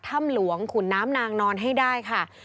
ถ้ำหลวงขุนน้ำนางนอนให้ได้ค่ะ